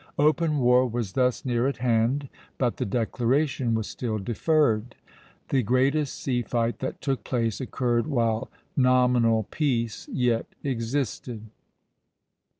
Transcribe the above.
Open war was thus near at hand, but the declaration was still deferred. The greatest sea fight that took place occurred while nominal peace yet existed.